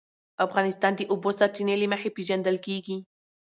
افغانستان د د اوبو سرچینې له مخې پېژندل کېږي.